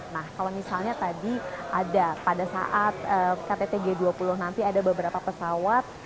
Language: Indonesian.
nah kalau misalnya tadi ada pada saat ktt g dua puluh nanti ada beberapa pesawat